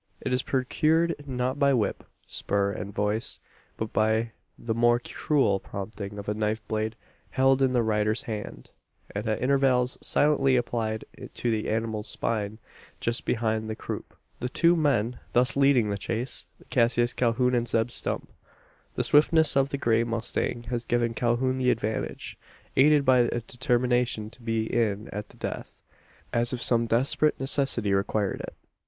It is procured not by whip, spur, and voice; but by the more cruel prompting of a knife blade held in the rider's hand, and at intervals silently applied to the animal's spine, just behind the croup. The two men, thus leading the chase, are Cassius Calhoun and Zeb Stump. The swiftness of the grey mustang has given Calhoun the advantage; aided by a determination to be in at the death as if some desperate necessity required it.